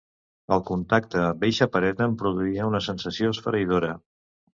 El contacte amb eixa paret em produïa una sensació esfereïdora.